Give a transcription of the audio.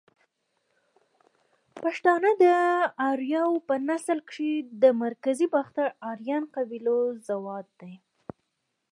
پښتانه ده اریاو په نسل کښی ده مرکزی باختر آرین قبیلو زواد دی